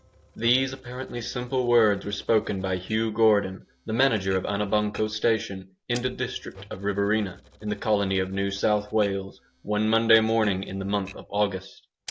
These apparently simple words were spoken by Hugh Gordon, the manager of Anabanco station, in the district of Riverina, in the colony of New South Wales, one Monday morning in the month of August.